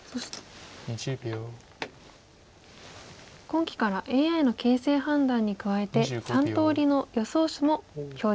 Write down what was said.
今期からＡＩの形勢判断に加えて３通りの予想手も表示しております。